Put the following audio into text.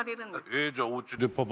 えじゃあおうちでパパ